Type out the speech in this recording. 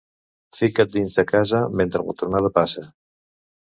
Fica't dins de casa mentre la tronada passa.